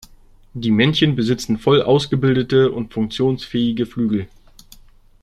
Die Männchen besitzen voll ausgebildete und funktionsfähige Flügel.